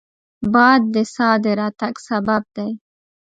باد د سا د راتګ سبب دی